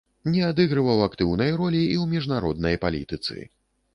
Не адыгрываў актыўнай ролі і ў міжнароднай палітыцы.